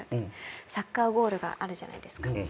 サッカーゴールがあるじゃないですか。